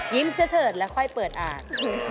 ยิ้มเชื่อเถิดแล้วค่อยเปิดอ่าน